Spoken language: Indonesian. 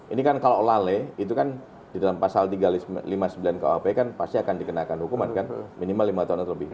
ini kan kalau lale itu kan di dalam pasal lima puluh sembilan kuhp kan pasti akan dikenakan hukuman kan minimal lima tahun atau lebih